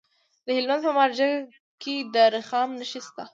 د هلمند په مارجه کې د رخام نښې شته.